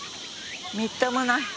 みっともない。